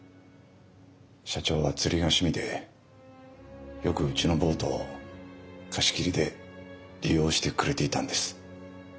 社長は釣りが趣味でよくうちのボートを貸し切りで利用してくれていたんです。